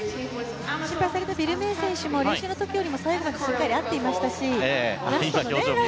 心配されたビル・メイ選手も練習の時よりも最後まで合っていましたし。